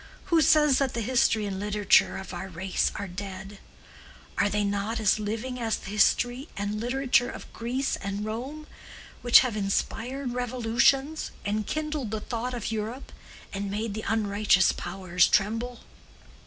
Who says that the history and literature of our race are dead? Are they not as living as the history and literature of Greece and Rome, which have inspired revolutions, enkindled the thought of Europe, and made the unrighteous powers tremble?